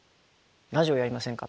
「ラジオやりませんか？」